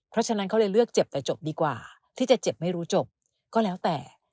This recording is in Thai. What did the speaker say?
เพราะฉะนั้นเขาเลยเลือกเจ็บแต่จบดีกว่าที่จะเจ็บไม่รู้จบก็แล้วแต่